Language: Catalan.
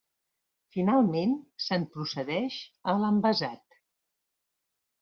Finalment, se'n procedeix a l'envasat.